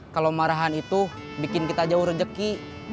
kalau marahan itu bikin kita jauh rejeki